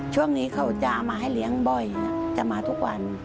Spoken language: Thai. ช่วงนี้เขาจะเอามาให้เลี้ยงบ่อยจะมาทุกวัน